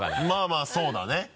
まぁまぁそうだね。